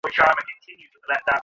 জানাতে পারলে খুশি হব।